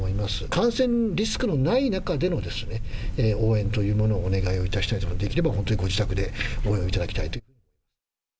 感染リスクのない中での応援というものをお願いをいたしたいと、できれば本当にご自宅で応援をいただきたいという。